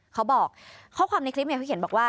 เขาบอกข้อความในคลิปเขาเขียนบอกว่า